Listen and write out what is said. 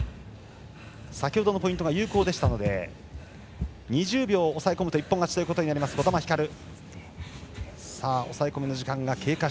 先ほどのポイントが有効でしたので２０秒押さえ込むと一本勝ちとなる児玉ひかる。